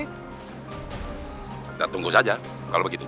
kita tunggu saja kalau begitu